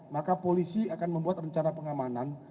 maka polisi akan membuat rencana pengamanan